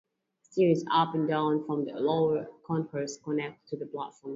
Stairs up and down from the lower concourse connect to the platforms.